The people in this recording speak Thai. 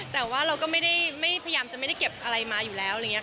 แต่ว่าเราก็ไม่พยายามจะไม่ได้เก็บอะไรมาอยู่แล้ว